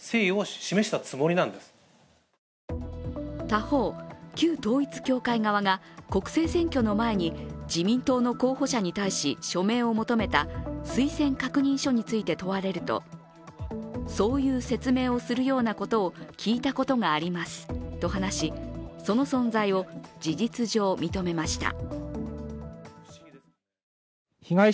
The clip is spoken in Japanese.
他方、旧統一教会側が国政選挙の前に自民党の候補者に対し署名を求めた推薦確認書について問われるとそういう説明をするようなことを聞いたことがありますと話しその存在を事実上、認めました。